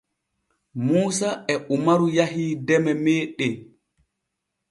Muusa e umaru yahii deme meeɗen.